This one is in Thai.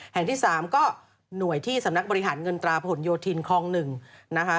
แห่งที่๓ก็หน่วยที่สำนักบริหารเงินตราผนโยธินคลอง๑นะคะ